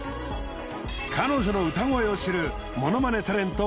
彼女の歌声を知るモノマネタレント